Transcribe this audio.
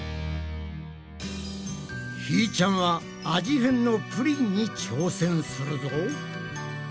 ひーちゃんは味変のプリンに挑戦するぞ。